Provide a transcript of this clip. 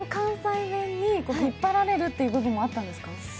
道枝さんの関西弁に引っ張られるという部分もあったんですか？